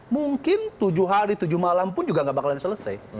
mungkin tujuh hari tujuh malam pun juga nggak bakalan selesai